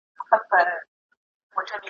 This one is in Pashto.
نه قیامت سته نه د مرګ توري پلټني `